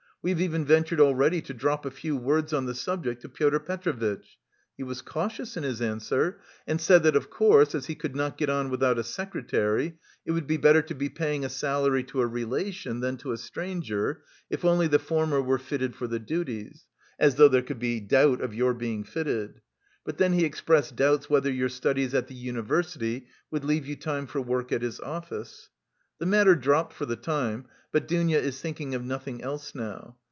We have even ventured already to drop a few words on the subject to Pyotr Petrovitch. He was cautious in his answer, and said that, of course, as he could not get on without a secretary, it would be better to be paying a salary to a relation than to a stranger, if only the former were fitted for the duties (as though there could be doubt of your being fitted!) but then he expressed doubts whether your studies at the university would leave you time for work at his office. The matter dropped for the time, but Dounia is thinking of nothing else now.